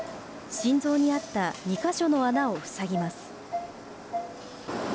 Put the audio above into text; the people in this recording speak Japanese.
心臓にあった２か所の穴を塞ぎます。